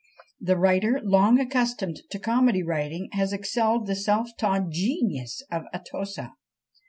The writer, long accustomed to comedy writing, has excelled the self taught genius of Atossa.